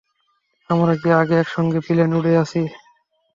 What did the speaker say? আমরা কী আগে একসঙ্গে প্লেন উড়িয়েছি?